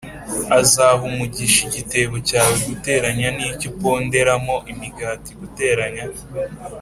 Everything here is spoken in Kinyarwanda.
“azaha umugisha igitebo cyawe+ n’icyo uponderamo imigati+